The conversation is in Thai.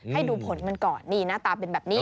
ให้ดูผลมันก่อนนี่หน้าตาเป็นแบบนี้